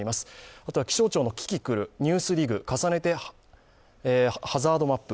あとは気象庁のキキクル、ＮＥＷＳＤＩＧ、重ねてハザードマップ